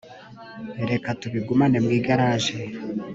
reka tubigumane mu igaraje